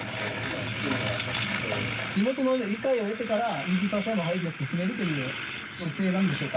地元のね理解を得てからイージス・アショアの配備を進めるという姿勢なんでしょうか？